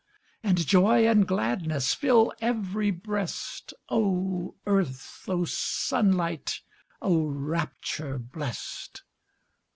And joy and gladness Fill ev'ry breast! Oh earth! oh sunlight! Oh rapture blest!